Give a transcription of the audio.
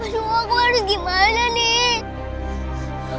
aduh aku harus gimana nih